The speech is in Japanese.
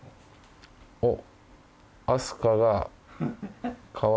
おっ。